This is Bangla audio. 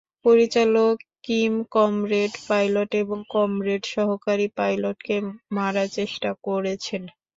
পরিচালক কিম কমরেড পাইলট এবং কমরেড সহকারী পাইলটকে মারার চেষ্টা করেছেন।